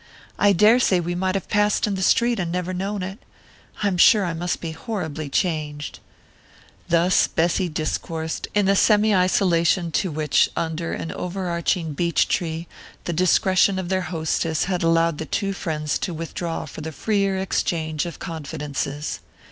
I daresay we might have passed in the street and never known it I'm sure I must be horribly changed...." Thus Bessy discoursed, in the semi isolation to which, under an overarching beech tree, the discretion of their hostess had allowed the two friends to withdraw for the freer exchange of confidences.